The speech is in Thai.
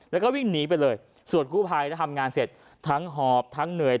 แล้วก็วิ่งหนีไปเลยส่วนกู้ภัยถ้าทำงานเสร็จทั้งหอบทั้งเหนื่อย